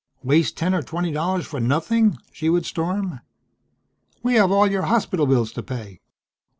"Waste ten or twenty dollars for nothing," she would storm. "We have all your hospital bills to pay.